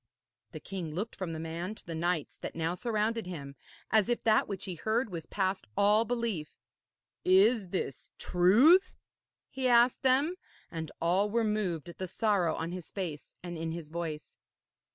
The king looked from the man to the knights that now surrounded him, as if that which he heard was past all belief. 'Is this truth?' he asked them, and all were moved at the sorrow on his face and in his voice.